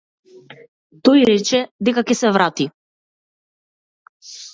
Тој рече дека ќе се врати.